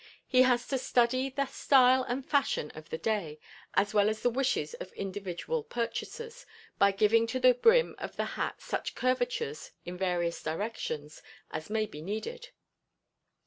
He has to study the style and fashion of the day, as well as the wishes of individual purchasers, by giving to the brim of the hat such curvatures in various directions as may be needed.